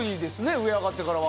上に上がってから。